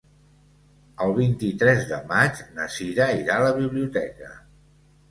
El vint-i-tres de maig na Sira irà a la biblioteca.